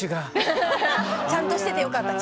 ちゃんとしててよかった。